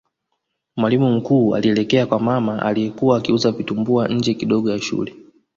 mwalimu mkuu alielekea kwa mama aliyekuwa akiuza vitumbua nje kidogo ya shule